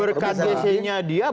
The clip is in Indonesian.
berkat jc nya dia